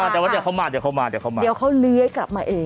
แต่ว่าเดี๋ยวเขามาเดี๋ยวเขาเลี้ยกลับมาเอง